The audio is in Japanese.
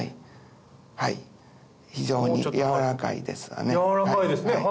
はい非常にやわらかいですかね。